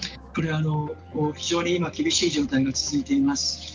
非常に今、厳しい状態が続いています。